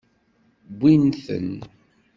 Wwin-ten.